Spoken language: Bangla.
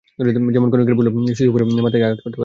যেমন ক্ষণিকের ভুলে কোলের শিশু পড়ে গিয়ে মাথায় আঘাত পেতে পারে।